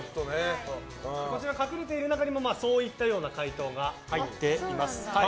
隠れている中にもそういった回答が入っています。